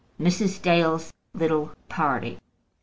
MRS. DALE'S LITTLE PARTY.